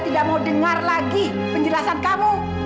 tidak mau dengar lagi penjelasan kamu